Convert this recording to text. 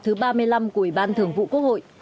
thứ ba mươi năm của ủy ban thực vụ quốc hội